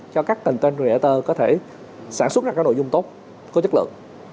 cho các container creator có thể sản xuất ra các nội dung tốt có chất lượng